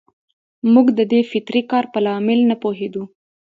موږ د دې فطري کار په لامل نه پوهېدو.